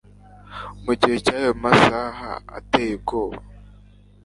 Mu gihe cy'ayo masaha ateye ubwoba;